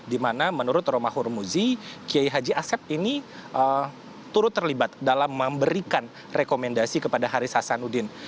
di mana menurut romahur muzi kiai haji asep ini turut terlibat dalam memberikan rekomendasi kepada haris hasanuddin